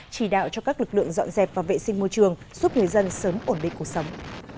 chỉ đạo cho các lực lượng dọn dẹp và vệ sinh môi trường giúp người dân sớm ổn định cuộc sống